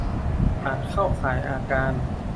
อาจเข้าข่ายอาการ